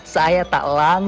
saya tak lama